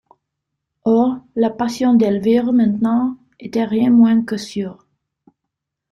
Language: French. Or, la passion d'Elvire, maintenant, était rien moins que sûre.